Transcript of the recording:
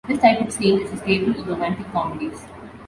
This type of scene is a staple of romantic comedies.